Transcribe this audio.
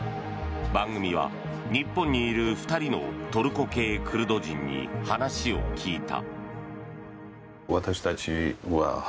番組は、日本にいる２人のトルコ系クルド人に話を聞いた。